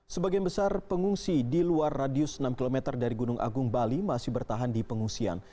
sebagian besar pengungsi di luar radius enam km dari gunung agung bali masih bertahan di pengungsian